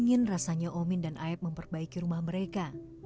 ingin rasanya omin dan aep memperbaiki rumah mereka